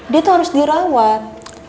dia tuh harus dirawat